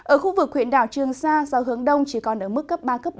ở khu vực huyện đảo trường sa gió hướng đông chỉ còn ở mức cấp ba bốn